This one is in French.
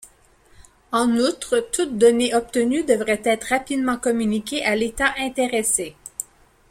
En outre, toute donnée obtenue devrait être rapidement communiqué à l'État intéressé.